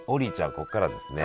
ここからはですね